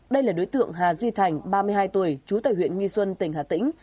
đây là đối tượng hà duy thành ba mươi hai tuổi chú tài huyện nghị xuân tỉnh hà tĩnh